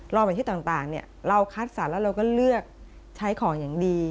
เราไปที่ต่างเราคัดสรรแล้วเราก็เลือกใช้ของอย่างดี